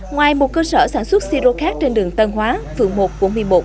ngoài một cơ sở sản xuất siro khác trên đường tân hóa vườn một bốn mươi một